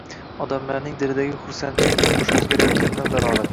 Odamlarning dilidagi xursandchilik turmush o‘zgarayotganidan dalolat